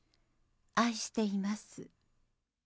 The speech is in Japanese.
愛しています。